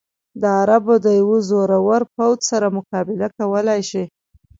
د عربو د یوه زورور پوځ سره مقابله کولای شي.